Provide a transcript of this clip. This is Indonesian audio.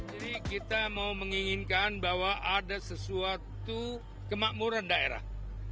jadi kita mau menginginkan bahwa ada sesuatu kemakmuran daerah